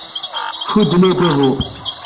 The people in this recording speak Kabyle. Ffuden adabu.